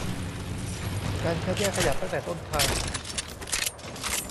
การคัดแยกขยะตั้งแต่ต้นทาง